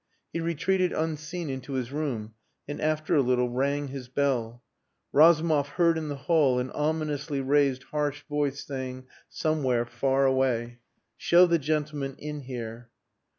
He retreated unseen into his room, and after a little rang his bell. Razumov heard in the hall an ominously raised harsh voice saying somewhere far away "Show the gentleman in here."